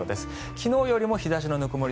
昨日よりも日差しのぬくもり